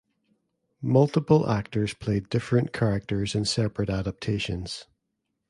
Multiple actors played different characters in separate adaptations.